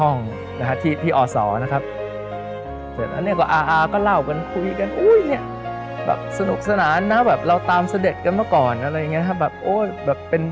เรียกว่าออเราก็เล่ากันคุยกันสนุกสนานนะเราตามเสด็จกันเมื่อก่อน